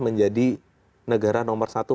menjadi negara nomor satu